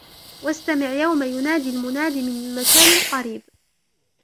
واستمع يوم يناد المناد من مكان قريب